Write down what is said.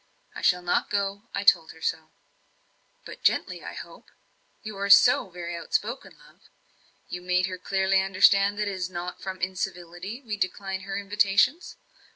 I shall not go I told her so." "But gently, I hope? you are so very outspoken, love. You made her clearly understand that it is not from incivility we decline her invitations?